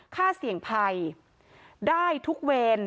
ค่าเสี่ยงภัยได้ทุกเวร